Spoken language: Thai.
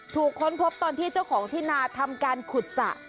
ค้นพบตอนที่เจ้าของที่นาทำการขุดสระ